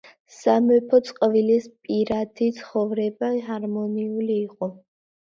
სამეფო წყვილის პირადი ცხოვრება ჰარმონიული იყო.